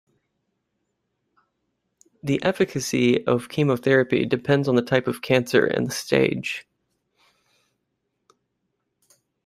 The efficacy of chemotherapy depends on the type of cancer and the stage.